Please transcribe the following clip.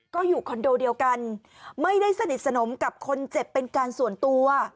ก็อยู่คอนโดเดียวกันไม่ได้สนิทสนมกับคนเจ็บเป็นการส่วนตัว